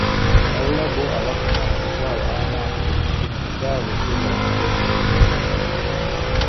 Wabula bbo abafuna emitwalo ana ku buli kikumi ezaabwe ssi zaakukendeezebwa.